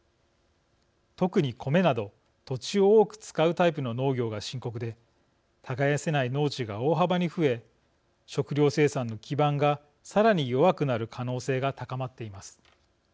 特に米など土地を多く使うタイプの農業が深刻で耕せない農地が大幅に増え食料生産の基盤がさらに弱くなる可能性が高まっています。